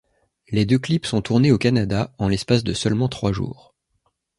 Les deux clips sont tournés au Canada, en l'espace de seulement trois jours.